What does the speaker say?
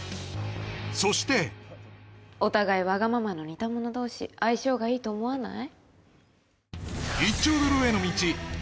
そしてお互いワガママの似た者同士相性がいいと思わない？